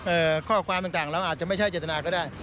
เอ่อข้อความต่างเราอาจจะไม่ใช่เจตนาก็ได้